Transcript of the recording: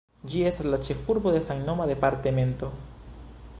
Ĝi estas la ĉefurbo de samnoma departemento.